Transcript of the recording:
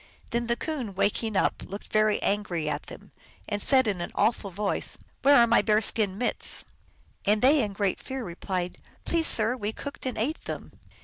Then the Coon, waking up, looked very angry at them, and said in an awful voice, " Where are my bear skin mitts ?" And they, in great fear, replied, " Please, sir, we cooked and ate them."